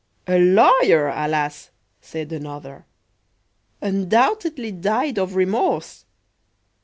"A lawyer? Alas!" said another, "Undoubtedly died of remorse!"